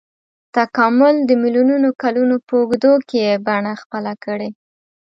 تکامل میلیونونو کلونو په اوږدو کې یې بڼه خپله کړې.